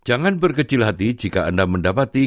jangan berkecil hati jika anda mendapati